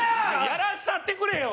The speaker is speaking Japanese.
やらしたってくれよ